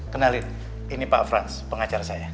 kenalin ini pak franz pengacara saya